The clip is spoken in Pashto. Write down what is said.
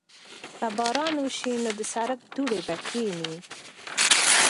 که باران وشي نو د سړک دوړې به کښېني.